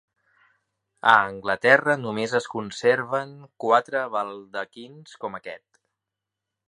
A Anglaterra només es conserven quatre baldaquins com aquest.